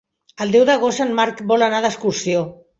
El deu d'agost en Marc vol anar d'excursió.